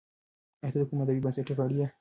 ایا ته د کوم ادبي بنسټ غړی یې؟